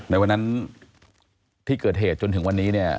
ในวันนั้นที่เกิดเหตุจนถึงวันนี้เนี่ย